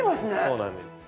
そうなんです。